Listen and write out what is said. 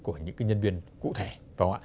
của những cái nhân viên cụ thể đúng không ạ